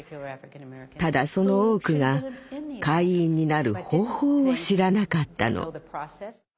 ただその多くが会員になる方法を知らなかったの。